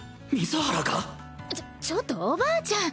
ちょちょっとおばあちゃん！